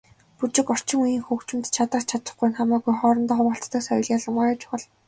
Бүжиг, орчин үеийн хөгжимд чадах чадахгүй нь хамаагүй хоорондоо хуваалцдаг соёл ялангуяа чухал.